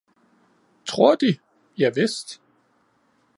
"Tror De? -Ja vist."